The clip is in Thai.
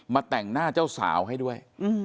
แต่งหน้าเจ้าสาวให้ด้วย